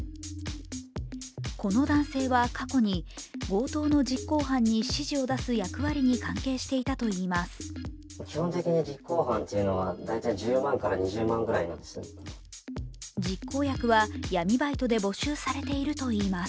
この男性は過去に強盗の実行犯に指示を出す役割に関係していたといいます。